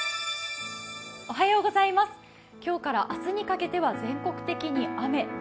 今日から明日にかけては全国的に雨。